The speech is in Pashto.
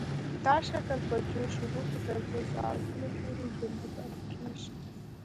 دا شکل په جوش اوبو کې تر څو ساعتونو پورې ژوندی پاتې کیږي.